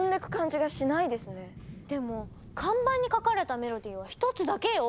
でも看板に書かれたメロディーは１つだけよ？